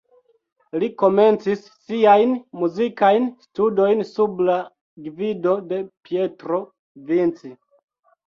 Li komencis siajn muzikajn studojn sub la gvido de Pietro Vinci.